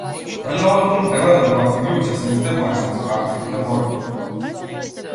Дали овој филм треба да ги отфрли учесниците во еманципаторските борби?